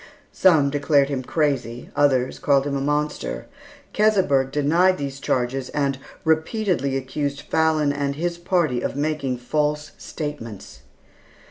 Some declared him crazy, others called him a monster. Keseberg denied these charges and repeatedly accused Fallon and his party of making false statements.